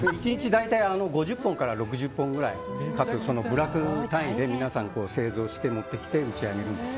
１日５０本から６０本ぐらい部落単位で皆さん製造して持ってきて打ち上げるんです。